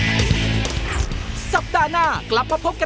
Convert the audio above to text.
ก็ได้รับสนุกสรุปสรุปที่โดนผู้เล่นในราวแบบราวทุกคน